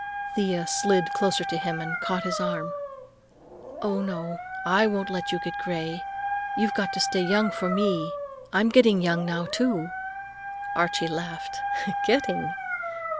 Thea slid closer to him and caught his arm. "No, no. I won't let you get gray. You've got to stay young for me. I'm getting young now, too." Archie laughed. "Getting?"